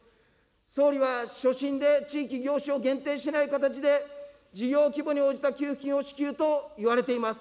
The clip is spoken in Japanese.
総理は所信で地域、業種を限定しない形で事業規模に応じた給付金を支給と言われています。